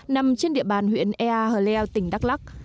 nằm trên địa bàn huyện ea hờ leo tỉnh đắk lắc